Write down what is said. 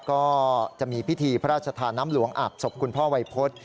ก็จะมีพิธีพระราชทานน้ำหลวงอาบศพคุณพ่อวัยพฤษ